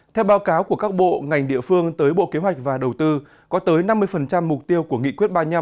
theo báo cáo của các bộ ngành địa phương tới bộ kế hoạch và đầu tư có tới năm mươi mục tiêu của nghị quyết ba mươi năm